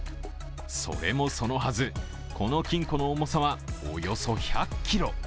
それもそのはず、この金庫の重さはおよそ１００ｋｇ。